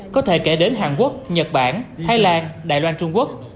có thể kể đến hàn quốc nhật bản thái lan đài loan trung quốc